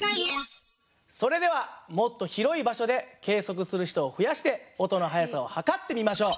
それではもっと広い場所で計測する人を増やして音の速さを測ってみましょう。